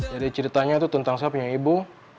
jadi ceritanya itu tentang saya punya ibu